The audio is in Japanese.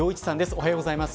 おはようございます。